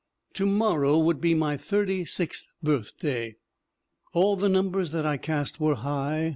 "To morrow would be my thirty sixth birthday. All the numbers that I cast were high.